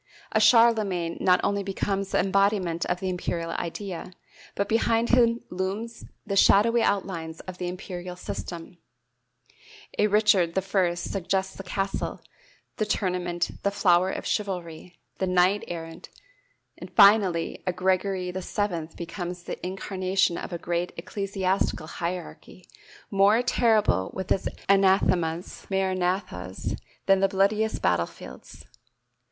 A Charlemagne not only becomes the embodiment of the imperial idea, but behind him looms the shadowy outlines of the imperial system; a Richard I suggests the castle, the tournament, the flower of chivalry, the knight errant; finally a Gregory VII becomes the incarnation of a great ecclesiastical hierarchy, more terrible with its anathemas maranathas than the bloodiest battlefields.